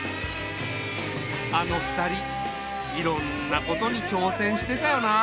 あの２人いろんなことにちょうせんしてたよなあ。